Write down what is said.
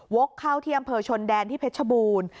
กเข้าที่อำเภอชนแดนที่เพชรบูรณ์